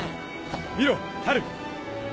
見ろハル！